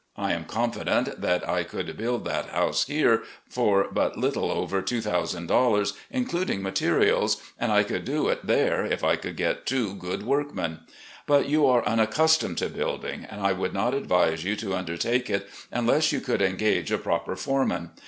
I am confident that I could build that house here for but little over $2,000, including materials, and I could do it there, if I could get two good workmen. But you are unaccus tomed to building, and I would not advise you to under take it, unless you could engage a proper foreman.